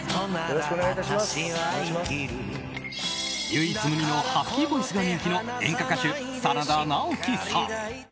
唯一無二のハスキーボイスが人気の演歌歌手・真田ナオキさん。